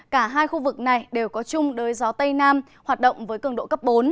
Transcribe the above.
cả hai khu vực này đều có chung đới gió tây nam hoạt động với cường độ cấp bốn